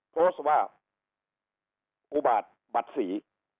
โพสต์ว่าอุบาทบัตรสี